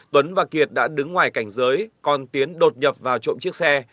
tuấn và kiệt đã đứng ngoài cảnh giới còn tiến đột nhập vào trộm chiếc xe